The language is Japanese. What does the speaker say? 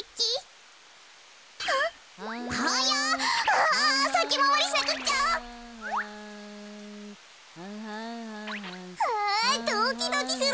あドキドキする！